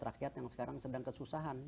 rakyat yang sekarang sedang kesusahan